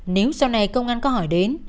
nếu sau này công an có hỏi đến